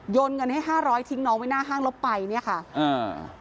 เงินให้ห้าร้อยทิ้งน้องไว้หน้าห้างแล้วไปเนี้ยค่ะอ่า